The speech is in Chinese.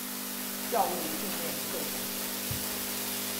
教育训练课程